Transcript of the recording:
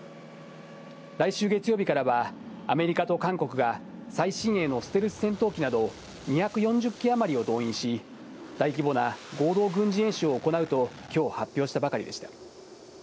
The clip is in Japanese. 来週月曜日からは、アメリカと韓国が最新鋭のステルス戦闘機など２４０機余りを動員し、大規模な合同軍事演習を行うときょう発表したばかりでした。